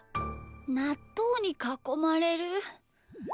なっとうにかこまれる？